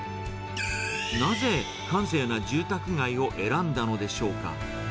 なぜ、閑静な住宅街を選んだのでしょうか。